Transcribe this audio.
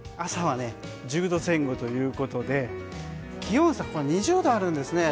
朝は１０度前後ということで気温差が２０度あるんです。